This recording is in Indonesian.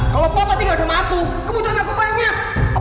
kalau bapak tinggal sama aku kebutuhan aku banyak